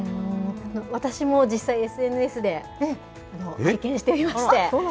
私も実際、ＳＮＳで拝見していまして。